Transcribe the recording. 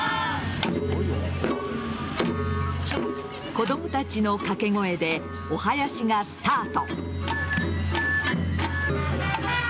子供たちの掛け声でおはやしがスタート。